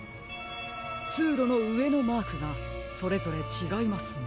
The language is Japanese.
つうろのうえのマークがそれぞれちがいますね。